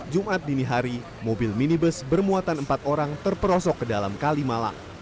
jumat dini hari mobil minibus bermuatan empat orang terperosok ke dalam kalimalang